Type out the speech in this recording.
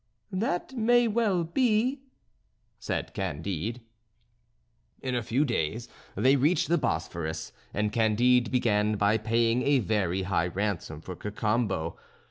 "That may well be," said Candide. In a few days they reached the Bosphorus, and Candide began by paying a very high ransom for Cacambo.